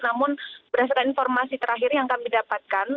namun berdasarkan informasi terakhir yang kami dapatkan